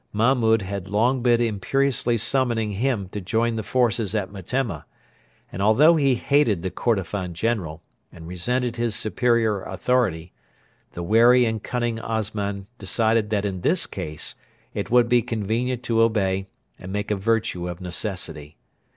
Mahmud had long been imperiously summoning him to join the forces at Metemma; and although he hated the Kordofan general, and resented his superior authority, the wary and cunning Osman decided that in this case it would be convenient to obey and make a virtue of necessity.